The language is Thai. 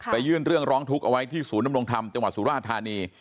ไปยื่นเรื่องร้องทุกข์เอาไว้ที่สูญศัพท์นำรงค์ธรรมแห่งจังหวัดสุราธารณี